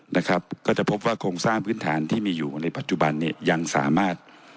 นะครับก็จะพบว่าโครงสร้างพื้นฐานที่มีอยู่ในปัจจุบันเนี่ยยังสามารถ